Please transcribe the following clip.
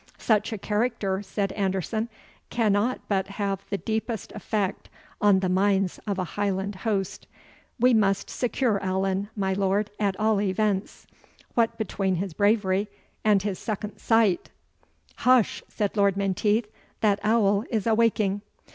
"Such a character," said Anderson, "cannot but have the deepest effect on the minds of a Highland host. We must secure Allan, my lord, at all events. What between his bravery and his second sight " "Hush!" said Lord Menteith, "that owl is awaking."